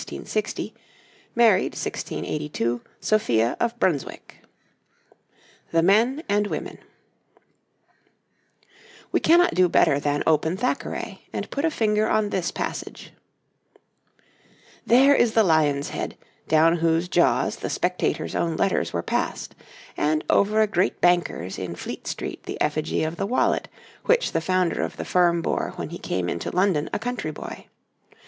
THE MEN AND WOMEN [Illustration: {1720: A woman of the time of George I.; a shoe}] We cannot do better than open Thackeray, and put a finger on this passage: 'There is the Lion's Head, down whose jaws the Spectator's own letters were passed; and over a great banker's in Fleet Street the effigy of the wallet, which the founder of the firm bore when he came into London a country boy.